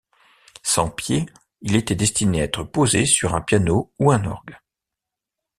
Sans pieds, il était destiné à être posé sur un piano ou un orgue.